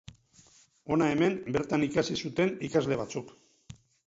Hona hemen bertan ikasi zuten ikasle batzuk.